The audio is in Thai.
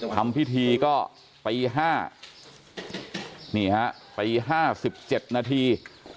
ทำพิธีก็ปีห้านี่ฮะปีห้าสิบเจ็บนาที